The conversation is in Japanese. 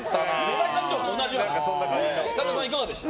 神田さん、いかがでした？